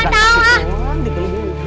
di beli beli dia